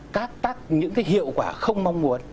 các những cái hiệu quả không mong muốn